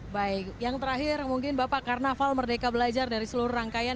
baik yang terakhir mungkin bapak karnaval merdeka belajar dari seluruh rangkaian